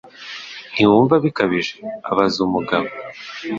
Ntiwumva bikabije? abaza Mugabo.